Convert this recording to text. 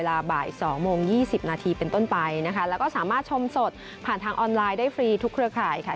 แล้วก็ทำได้ดีขึ้น